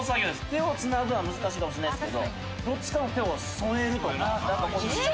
手をつなぐのは難しいかもしれないですけどどっちかの手を添えるとか。